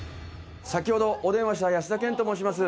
先ほどお電話した安田顕と申します。